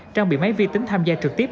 trang bị máy vi tính tham gia trực tiếp